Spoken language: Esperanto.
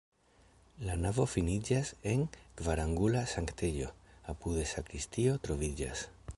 La navo finiĝas en kvarangula sanktejo, apude sakristio troviĝas.